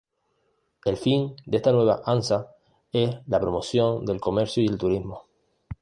El fin de esta nueva Hansa es la promoción del comercio y del turismo.